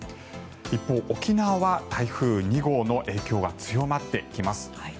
一方、沖縄は台風２号の影響が強まってきます。